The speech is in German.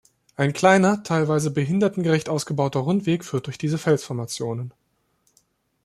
Ein kleiner, teilweise behindertengerecht ausgebauter Rundweg führt durch diese Felsformationen.